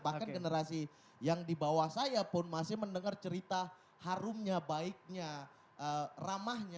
bahkan generasi yang di bawah saya pun masih mendengar cerita harumnya baiknya ramahnya